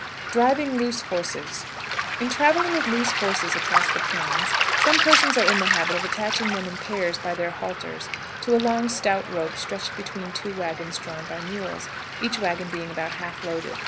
DRIVING LOOSE HORSES. In traveling with loose horses across the plains, some persons are in the habit of attaching them in pairs by their halters to a long, stout rope stretched between two wagons drawn by mules, each wagon being about half loaded.